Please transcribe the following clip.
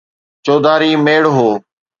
چوڌاري ميڙ هو.